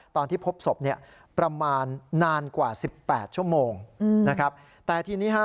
ตอนที่พบศพเนี่ยประมาณนานกว่าสิบแปดชั่วโมงนะครับแต่ทีนี้ฮะ